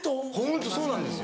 ホントそうなんですよ。